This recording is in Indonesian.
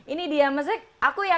ini dia maksudnya